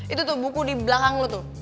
itu tuh buku di belakang lu tuh